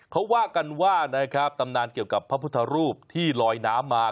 เขาว่ากันว่านะครับตำนานเกี่ยวกับพระพุทธรูปที่ลอยน้ำมา